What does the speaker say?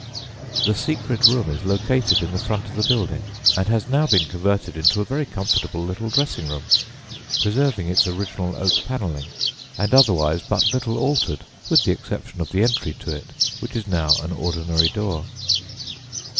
The secret room is located in the front of the building, and has now been converted into a very, comfortable little dressing room, preserving its original oak panelling, and otherwise but little altered, with the exception of the entry to it, which is now an ordinary door.